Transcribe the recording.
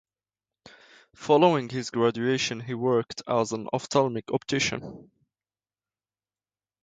Following his graduation he worked as an ophthalmic optician.